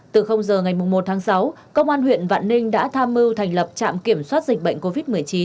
từ giờ ngày một tháng sáu công an huyện vạn ninh đã tham mưu thành lập trạm kiểm soát dịch bệnh covid một mươi chín